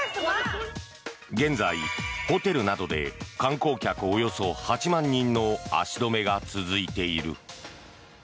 現在、ホテルなどで観光客およそ８万人の足止めが続いている。